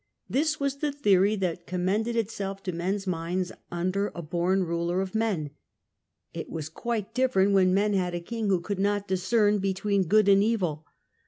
This was the theory that commended itself to men's minds under a born ruler of men. It was quite different when men had a king who could not discern between good and evil.